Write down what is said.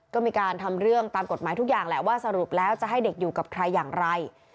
ก็มีการทำเรื่องตามกฎหมายทุกอย่างแหละว่าสรุปแล้วจะให้เด็กอยู่กับใครอย่างไร